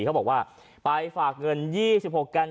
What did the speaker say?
เขาบอกว่าไปฝากเงิน๒๖กัน